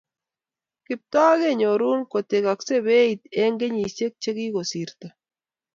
Kiptooo kenyorun kotekaksei beit eng kenyishek che kikosirto